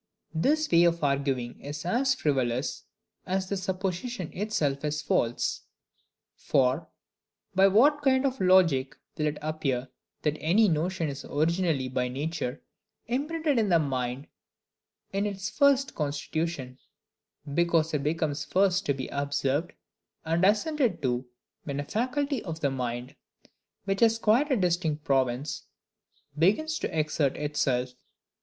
This way of arguing is as frivolous as the supposition itself is false. For, by what kind of logic will it appear that any notion is originally by nature imprinted in the mind in its first constitution, because it comes first to be observed and assented to when a faculty of the mind, which has quite a distinct province, begins to exert itself?